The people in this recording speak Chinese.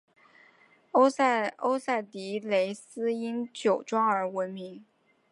欧塞迪雷斯因酒庄而闻名。